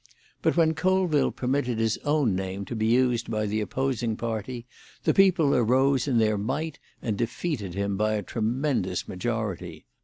But when Colville permitted his own name to be used by the opposing party, the people arose in their might and defeated him by a tremendous majority.